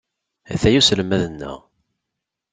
Ataya uselmad-nneɣ.